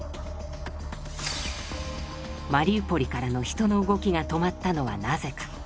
マリウポリからの人の動きが止まったのはなぜか。